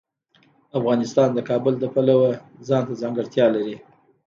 افغانستان د کابل د پلوه ځانته ځانګړتیا لري.